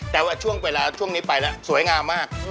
แต่ว่าช่วงเวลาช่วงนี้ไปแล้วสวยงามมาก